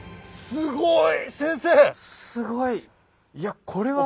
すごい。